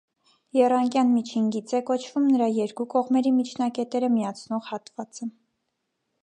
Եռանկյան «միջին գիծ» է կոչվում նրա երկու կողմերի միջնակետերը միացնող հատվածը։